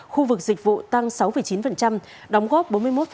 khu vực dịch vụ tăng sáu chín đóng góp bốn mươi một